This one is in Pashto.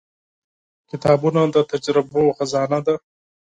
• کتابونه د تجربو خزانه ده.